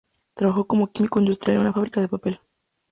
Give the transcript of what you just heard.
Trabajó como químico industrial en una fábrica de papel.